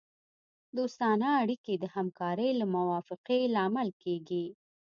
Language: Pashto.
دوستانه اړیکې د همکارۍ او موافقې لامل کیږي